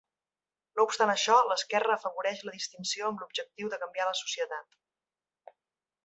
No obstant això, l'esquerra afavoreix la distinció amb l'objectiu de canviar la societat.